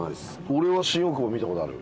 俺は新大久保見た事ある。